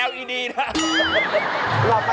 หลอดไฟเสียที่ห้อง